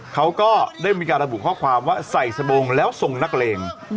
เขาก็ได้มีการระบุข้อความว่าใส่สบงแล้วส่งนักเลง